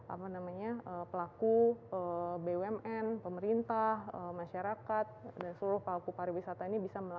apa namanya pelaku bumn pemerintah masyarakat dan seluruh pelaku pariwisata ini bisa